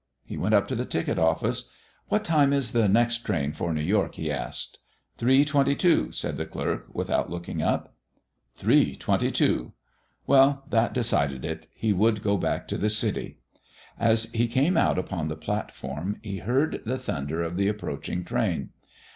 He went up to the ticket office. "What time is the next train for New York?" he asked. "Three twenty two," said the clerk, without looking up. Three twenty two! Well, that decided it; he would go back to the city. As he came out upon the platform he heard the thunder of the approaching train.